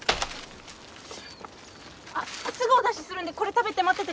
あっすぐお出しするんでこれ食べて待っててください。